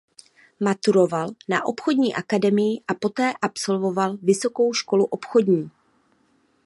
Maturoval na obchodní akademii a poté absolvoval Vysokou školu obchodní.